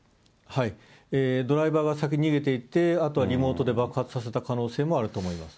ドライバーが先に逃げていて、あとはリモートで爆発させた可能性もあると思います。